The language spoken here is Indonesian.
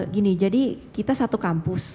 gini jadi kita satu kampus